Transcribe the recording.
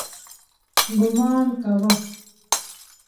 ګومان کاوه.